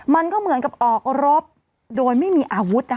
มันก็เหมือนกับออกรบโดยไม่มีอาวุธ